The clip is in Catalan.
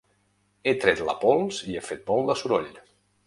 He tret la pols i he fet molt de soroll.